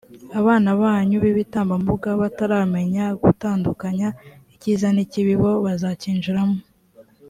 abana banyu b’ibitambambuga bataramenya gutandukanya icyiza n’ikibi bo bazakinjiramo.